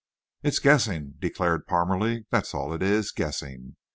"It's guessing," declared Parmalee, "that's all it is, guessing.